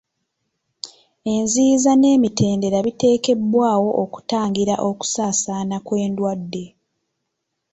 Enziyiza n'emitendera biteekebwawo okutangira okusaasaana kw'endwadde.